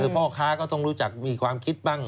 พ่อค้าก็ต้องรู้จักมีความคิดบ้าง